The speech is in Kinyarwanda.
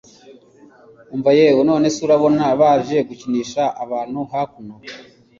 umva yewe! nonese urabona baje gukinisha abantu hakuno